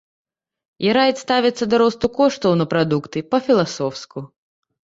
І раіць ставіцца да росту коштаў на прадукты па-філасофску.